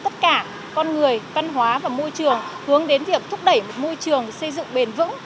tuần lễ công trình cho tất cả con người văn hóa và môi trường hướng đến việc thúc đẩy một môi trường xây dựng bền vững